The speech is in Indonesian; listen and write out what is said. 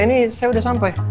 ini saya udah sampai